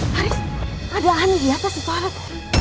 haris ada andi atas sekolah